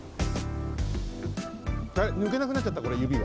あれぬけなくなっちゃったこれゆびが。